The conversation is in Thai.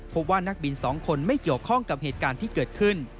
พบว่านักบิน๒คนไม่เกี่ยวข้องกับเหตุการณ์ที่เกิดขึ้น